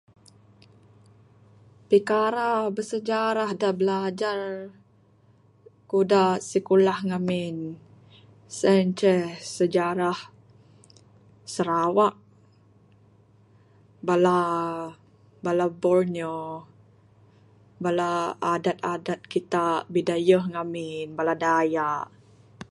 Pikara bersejarah da bilajar ku da sikulah ngamin sien inceh sejarah Sarawak. Bala, Bala borneo. Bala adat adat kita bidayuh ngamin bala dayak.